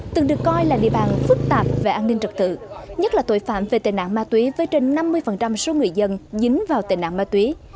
từng được coi là địa bàn phức tạp về an ninh trật tự nhất là tội phạm về tệ nạn ma túy với trên năm mươi số người dân dính vào tệ nạn ma túy